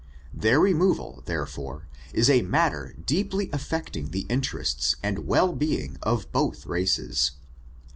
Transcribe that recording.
Their renu>val, therefore, is a matter deeply affecting the interests and well being of both races.